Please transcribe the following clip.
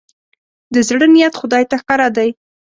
د زړه نيت خدای ته ښکاره دی.